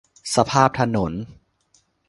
สภาพถนน